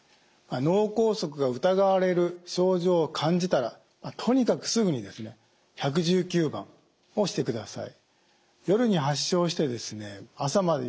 脳梗塞が疑われる症状を感じたらとにかくすぐに１１９番をしてください。